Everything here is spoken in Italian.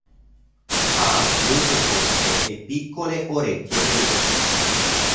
Ha muso corto e piccole orecchie pelose.